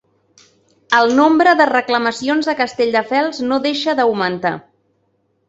El nombre de reclamacions a Castelldefels no deixa d'augmentar.